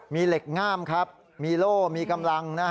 มีเหล็กง่ามครับมีโล่มีกำลัง